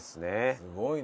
すごいな。